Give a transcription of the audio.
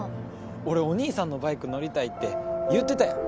俺お兄さんのバイク乗りたいって言うてたやん